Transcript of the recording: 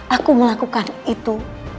aku melakukan itu